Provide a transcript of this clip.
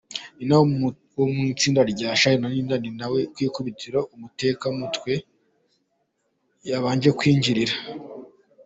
Nina wo mu itsinda rya Charly na Nina ku ikubitiro niwe umutekamutwe yabanje kwinjirira.